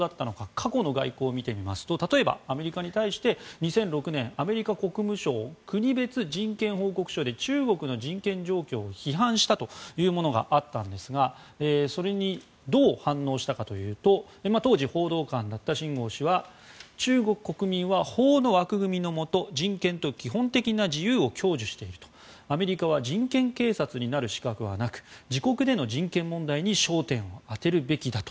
過去の外交を見てみますと例えばアメリカに対して２００６年アメリカ国務省国別人権報告書で中国の人権状況を批判したというものがあったんですがそれにどう反応したかというと当時報道官だったシン・ゴウ氏は中国国民は法の枠組みのもと人権と基本的な自由を享受しているとアメリカは人権警察になる資格はなく自国での人権問題に焦点を当てるべきだと。